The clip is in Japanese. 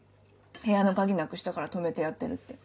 部屋の鍵なくしたから泊めてやってるって。